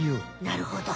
なるほど。